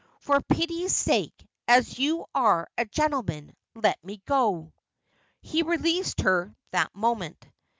'For pity's sake, as you are a gentleman, let me go.' He released her that moment.